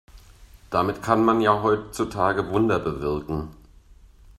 Damit kann man ja heutzutage Wunder bewirken.